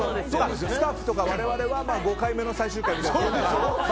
スタッフとか我々は５回目の最終回みたいな。